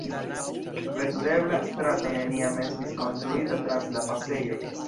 Veturebla strato neniam estis konstruita trans la pasejo.